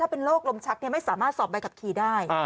เป็นโรคลมชักไม่สามารถสอบใบขับขี่ได้